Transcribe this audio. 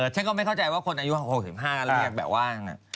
ฉันก็ไม่เข้าใจว่าคนอายุ๖๕เรียกแบบว่า